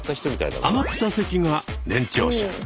あまった席が年長者。